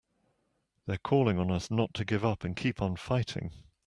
They're calling to us not to give up and to keep on fighting!